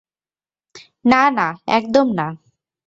না, না, একদম না।